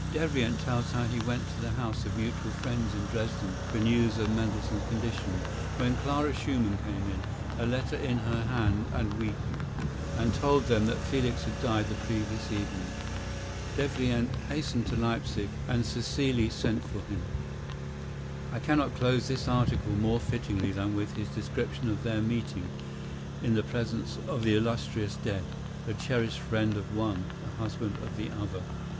Devrient tells how he went to the house of mutual friends in Dresden for news of Mendelssohn's condition, when Clara Schumann came in, a letter in her hand and weeping, and told them that Felix had died the previous evening. Devrient hastened to Leipsic, and Cécile sent for him. I cannot close this article more fittingly than with his description of their meeting in the presence of the illustrious dead—the cherished friend of one, the husband of the other.